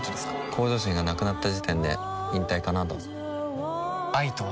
向上心がなくなった時点で引退かなとは愛とは？